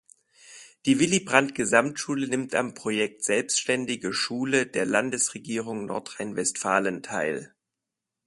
Die Willy-Brandt-Gesamtschule nimmt am Projekt Selbstständige Schule der Landesregierung Nordrhein-Westfalen teil.